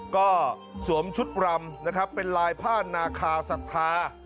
ก็สวมชุดรำนะครับเป็นลายผ้านาคาศรัทธา